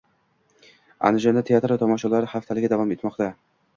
Andijonda "Teatr tomoshalari haftaligi" davom etmoqda